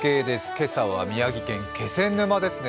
今朝は宮城県気仙沼ですね。